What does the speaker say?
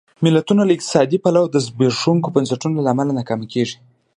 ملتونه له اقتصادي پلوه د زبېښونکو بنسټونو له امله ناکامېږي.